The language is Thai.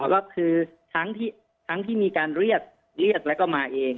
ก็คือทั้งที่มีการเรียกเรียกแล้วก็มาเอง